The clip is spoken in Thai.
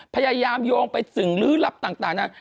พยายามโยงไปสิ่งฤึลับต่างเนี่ย